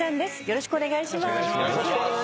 よろしくお願いします。